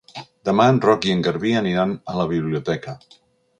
Demà en Roc i en Garbí aniran a la biblioteca.